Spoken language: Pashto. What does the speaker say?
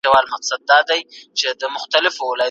حنفي فقهاء د ميرمنو د قسم په اړه څه وايي؟